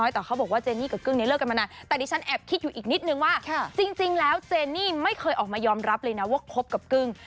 แต่นี่ฉันแอบคิดอยู่อีกนิดนึงว่าจริงแล้วเจนี่ไม่เคยออกมายอมรับเลยนะว่าครบกับกึ่ง